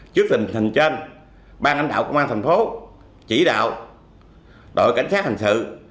trước tình hình trên ban lãnh đạo công an thành phố chỉ đạo đội cảnh sát hành sự